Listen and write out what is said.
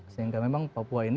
sehingga memang papua ini